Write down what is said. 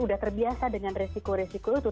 sudah terbiasa dengan resiko resiko itu